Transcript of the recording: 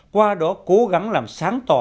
qua đó cố gắng làm sáng tỏ